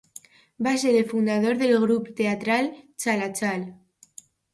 Va ser el fundador del grup teatral "Chalachal".